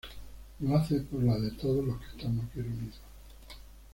Lo hace por las de todos los que estamos aquí reunidos.